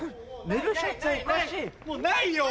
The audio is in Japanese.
もうないよ